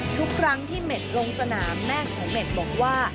ทุกครั้งที่เม็ดลงสนามแม่ของเม็ดบอกว่า